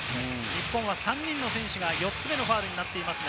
日本は３人の選手が４つ目のファウルになっています。